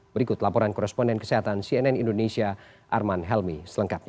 berikut laporan koresponden kesehatan cnn indonesia arman helmi selengkapnya